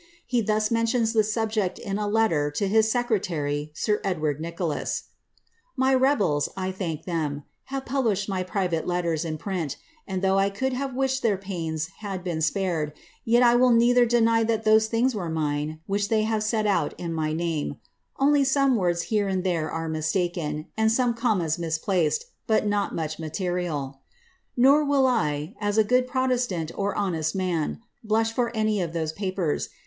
He thus mentioai the subject in a letter to his secretary, sir Eldward Nicholas :—^ My it* bels, I thank them, have published my private letters in print, and thoi|^ I could have wished their pains had been spared, yet I will neither dmf > RapiD, vol. ii., fblio, p. 611. HBRSIBTTA MABIA. 99 ibt those things were mine which tliey have set out in my name (cmly tone words here and there are mistaken, and some commas misplaced, ma not much material) ; nor will I, as a good protestant or honest man, Hmh for any of those papers.